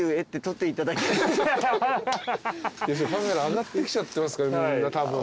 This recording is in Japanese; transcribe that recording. カメラ上がってきちゃってますからみんなたぶん。